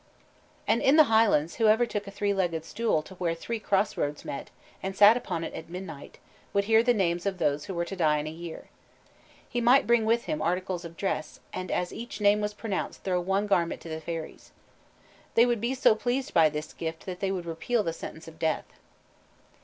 _ and in the Highlands whoever took a three legged stool to where three crossroads met, and sat upon it at midnight, would hear the names of those who were to die in a year. He might bring with him articles of dress, and as each name was pronounced throw one garment to the fairies. They would be so pleased by this gift that they would repeal the sentence of death.